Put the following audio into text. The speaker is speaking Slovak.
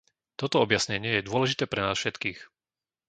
Toto objasnenie je dôležité pre nás všetkých.